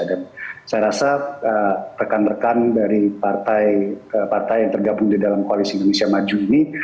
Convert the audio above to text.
dan saya rasa rekan rekan dari partai partai yang tergabung di dalam koalisi indonesia maju ini